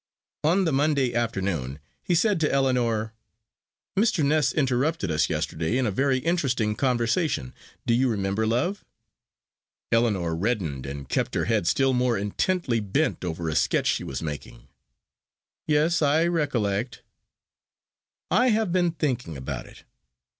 On the Monday afternoon he said to Ellinor, "Mr. Ness interrupted us yesterday in a very interesting conversation. Do you remember, love?" Ellinor reddened and kept her head still more intently bent over a sketch she was making. "Yes; I recollect." "I have been thinking about it.